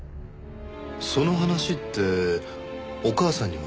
その話ってお母さんにはした？